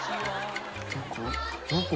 どこ？